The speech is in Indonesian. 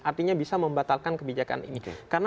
artinya bisa membatalkan kebijakan ini karena